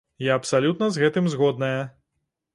Я абсалютна з гэтым згодная.